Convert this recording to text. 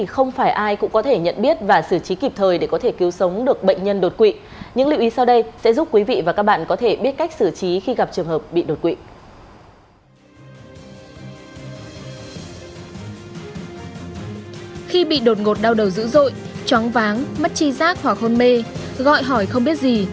khi bị đột ngột đau đầu dữ dội chóng váng mất chi giác hoặc hôn mê gọi hỏi không biết gì